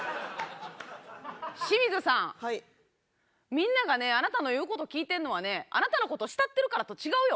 みんながねあなたの言うこと聞いてんのはねあなたのことを慕ってるからと違うよ。